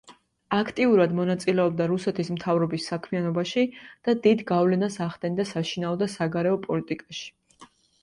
აქტიურად მონაწილეობდა რუსეთის მთავრობის საქმიანობაში და დიდ გავლენას ახდენდა საშინაო და საგარეო პოლიტიკაში.